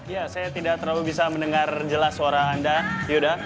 ya saya tidak terlalu bisa mendengar jelas suara anda yuda